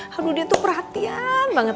kalau dia tuh perhatian banget